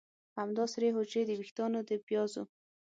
همدا سرې حجرې د ویښتانو د پیازو